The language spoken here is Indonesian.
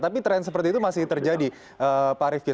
tapi tren seperti itu masih terjadi pak rifki